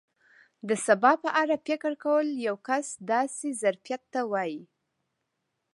د سبا په اړه فکر کول یو کس داسې ظرفیت ته وایي.